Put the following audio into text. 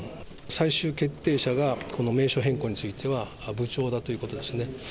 最終決定者が、この名称変更については部長だということですね。